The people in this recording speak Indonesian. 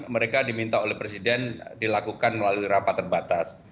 mereka diminta oleh presiden dilakukan melalui rapat terbatas